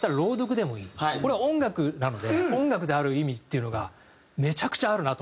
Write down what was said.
これは音楽なので音楽である意味っていうのがめちゃくちゃあるなと。